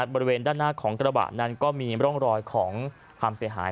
บริเวณด้านหน้าของกระบะนั้นก็มีร่องรอยของความเสียหาย